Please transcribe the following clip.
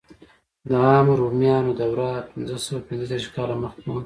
د عامو رومیانو دوره پنځه سوه پنځه دېرش کاله مخکې وه.